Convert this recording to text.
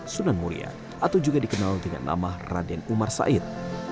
sunan muria atau juga dikenal dengan nama raden umar said